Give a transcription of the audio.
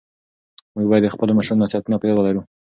موږ بايد د خپلو مشرانو نصيحتونه په ياد ولرو.